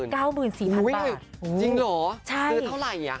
จริงหรอซื้อเท่าไหร่